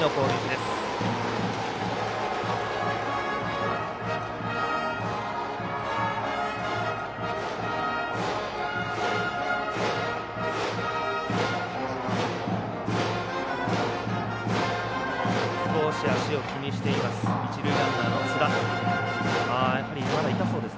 少し足を気にしています。